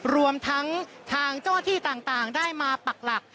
รวมทั้งทางเจ้าที่ต่างได้มาปักหลัก